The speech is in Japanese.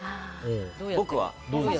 僕は。